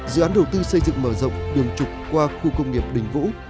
dự án đầu tư xây dựng mở rộng đường trục qua khu công nghiệp đình vũ